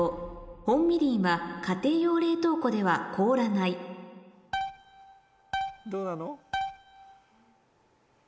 「本みりんは家庭用冷凍庫では凍らない」どうなの？